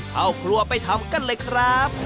เข้าครัวไปทำกันเลยครับ